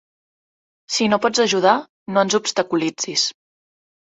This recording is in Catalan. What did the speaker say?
Si no pots ajudar, no ens obstaculitzis.